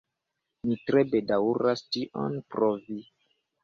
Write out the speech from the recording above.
Mi tre bedaŭras tion, pro vi.